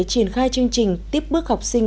triển khai chương trình tiếp bước học sinh